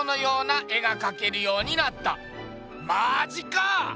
マジか？